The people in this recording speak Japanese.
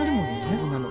そうなの。